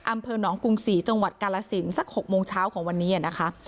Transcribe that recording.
อำเภอหนองกรุงศรีจังหวัดกาลสินสัก๖โมงเช้าของวันนี้นะคะ